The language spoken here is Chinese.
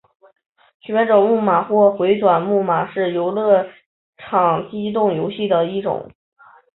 旋转木马或回转木马是游乐场机动游戏的一种。